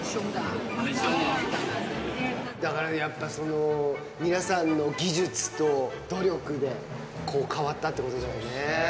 だからやっぱその、皆さんの技術と努力で変わったってことだよね。